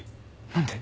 何で？